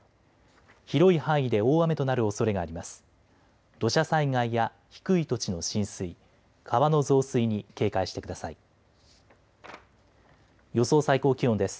広い範囲で大雨となるおそれがあります。